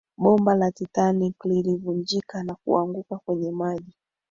bomba la titanic lilivunjika na kuanguka kwenye maji